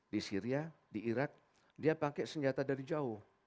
di syria di irak dia pakai senjata dari jauh